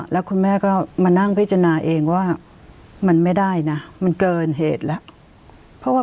แล้วคุณแม่ก็มานั่งพิจารณาเองว่ามันไม่ได้นะมันเกินเหตุแล้ว